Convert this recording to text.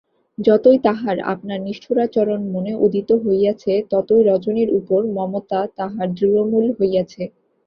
যতই তাহার আপনার নিষ্ঠুরাচরণ মনে উদিত হইয়াছে ততই রজনীর উপর মমতা তাহার দৃঢ়মূল হইয়াছে।